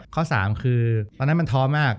ข้อ๓คือตอนนั้นมันท้อมาก